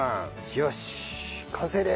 よし完成です！